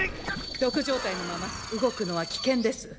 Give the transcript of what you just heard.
毒状態のまま動くのは危険です。